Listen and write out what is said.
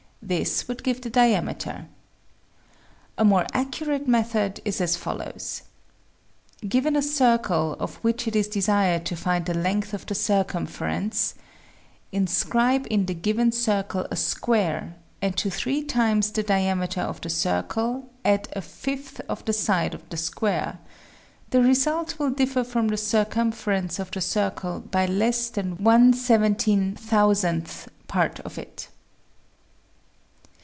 This would give the diameter. A more accurate method is as follows : Given a circle, of which it is desired to find the length of the circumference : Inscribe in the given circle a square, and to three times the diameter of the circle add a fifth of the side of the square ; the result will differ from the circum ference of the circle by less than one seventeen thousandth part of it.